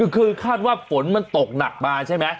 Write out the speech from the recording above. คือคาดว่าฝนมันตกหนักมาใช่ไหม